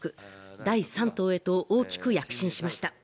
第３党へと大きく躍進しました。